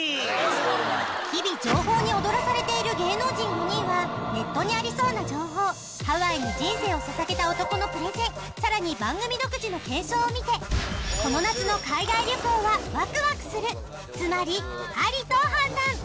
日々情報に踊らされている芸能人にはネットにありそうな情報ハワイに人生をささげた男のプレゼンさらに番組独自の検証を見てこの夏の海外旅行はワクワクするつまりありと判断